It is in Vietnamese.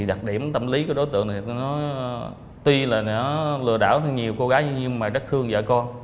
đặc điểm tâm lý của đối tượng tuy là lừa đảo nhiều cô gái nhưng rất thương vợ con